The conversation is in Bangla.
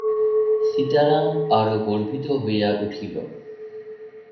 সীতারাম আরো গর্বিত হইয়া উঠিল।